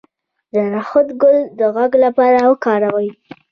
د نخود ګل د غږ لپاره وکاروئ